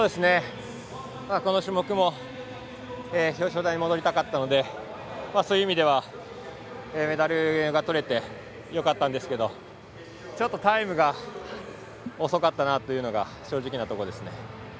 この種目も表彰台上りたかったのでそういう意味ではメダルがとれてよかったんですけどちょっとタイムが遅かったなというのが正直なところですね。